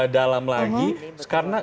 dalam lagi karena